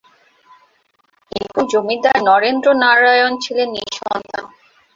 কিন্তু জমিদার নরেন্দ্র নারায়ণ ছিলেন নিঃসন্তান।